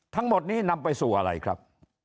ทั้งหมดนี้นำไปสู่อะไรครับ